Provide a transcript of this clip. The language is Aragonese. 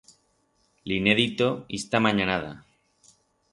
Li'n he dito ista manyanada.